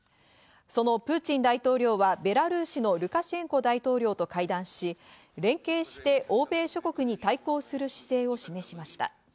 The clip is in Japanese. そのプーチン大統領はベラルーシのルカシェンコ大統領と会談し、連携して欧米諸国に対抗する姿勢を示しました。